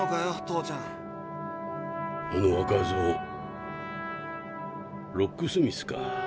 あの若造ロックスミスか。